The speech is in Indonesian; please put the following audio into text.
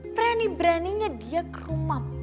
berani beraninya dia ke rumah